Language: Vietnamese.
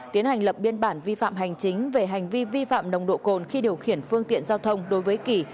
tiến hành lập biên bản vi phạm hành chính về hành vi vi phạm nồng độ cồn khi điều khiển phương tiện giao thông đối với kỳ